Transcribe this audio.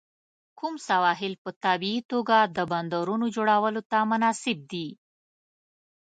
کوم سواحل په طبیعي توګه د بندرونو جوړولو ته مناسب دي؟